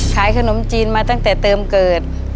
ขายขนมจีนมาตั้งแต่เติมเกิด